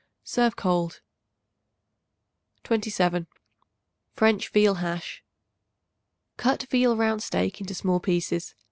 Serve cold. 27. French Veal Hash. Cut veal round steak into small pieces.